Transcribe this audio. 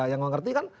yang mengerti kan